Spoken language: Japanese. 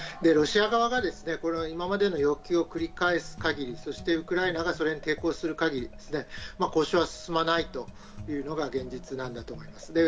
ロシア側が今までの要求を繰り返す限り、そしてウクライナがそれに抵抗する限り、交渉は進まないというのが現実なんだと思います。